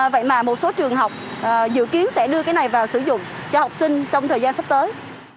vậy mà một số trường học dự kiến sẽ đưa cái này vào sử dụng cho học sinh trong thời gian sắp tới